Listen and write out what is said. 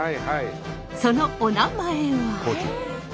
そのおなまえは。